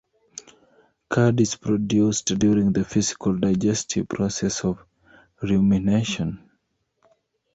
Cud is produced during the physical digestive process of rumination.